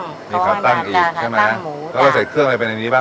มีขาตั้งอีกใช่ไหมแล้วเราใส่เครื่องอะไรไปในนี้บ้าง